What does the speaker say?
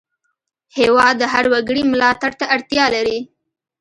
هېواد د هر وګړي ملاتړ ته اړتیا لري.